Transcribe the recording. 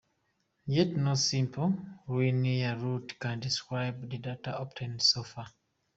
Yet no simple linear route can describe the data obtained so far.